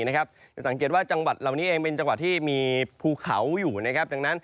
กาณจนะบุรีราชบุรีบนเชี่ยงเศรา